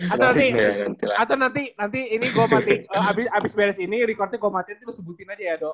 atau nanti nanti nanti ini gue mati abis beres ini record nya gue matiin lu sebutin aja ya do